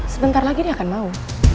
sebentar lagi dia akan mau